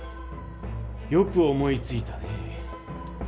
よく思いついたね。